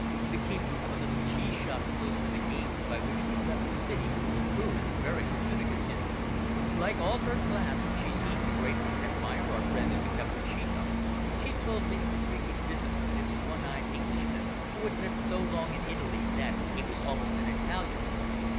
"The keeper of a little cheese shop close to the gate by which we left the city proved very communicative. Like all her class, she seemed to greatly admire our friend the Cappuccino. She told me of the frequent visits of this one eyed Englishman who had lived so long in Italy that he was almost an Italian.